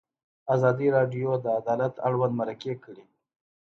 ازادي راډیو د عدالت اړوند مرکې کړي.